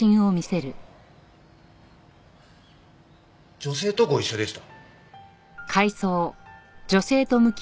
女性とご一緒でした。